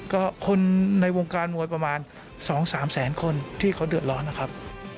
ก็คนในวงการมวยประมาณ๒๓แสนคนที่เขาเดือดร้อนนะครับ